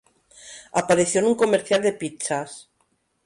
Apareció en un comercial de pizzas.